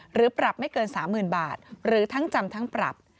หรือปรับไม่เกิน๓๐๐๐บาทหรือทั้งจำทั้งปรับ